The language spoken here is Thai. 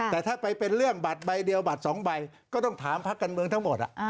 แต่ถ้าไปเป็นเรื่องบัตรใบเดียวบัตร๒ใบก็ต้องถามพักการเมืองทั้งหมด